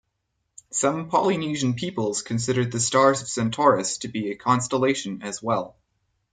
Some Polynesian peoples considered the stars of Centaurus to be a constellation as well.